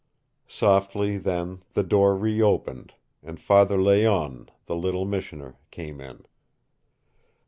Softly then the door reopened, and Father Layonne, the little missioner, came in.